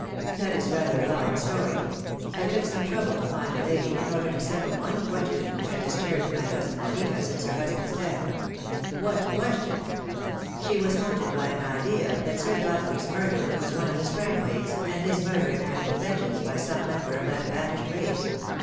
"That is rather a long story. I took some trouble to find the lady in order to settle one question which had disturbed my cousin Juanita since her husband's death." "What question?" "She was haunted by an idea that Sir Godfrey's murderer was one of the Strangways, and his murder an THE DAY WILL COME. H3 act of vengeance by some member of that banished race.